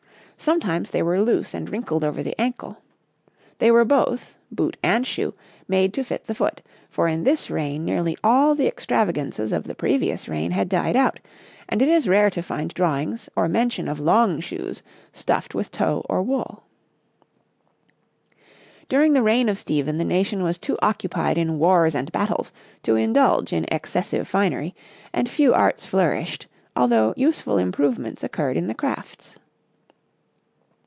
Sometimes they were loose and wrinkled over the ankle. They were both, boot and shoe, made to fit the foot; for in this reign nearly all the extravagances of the previous reign had died out, and it is rare to find drawings or mention of long shoes stuffed with tow or wool. During the reign of Stephen the nation was too occupied in wars and battles to indulge in excessive finery, and few arts flourished, although useful improvements occurred in the crafts.